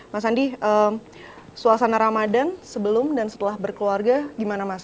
mas andi suasana ramadan sebelum dan setelah berkeluarga gimana mas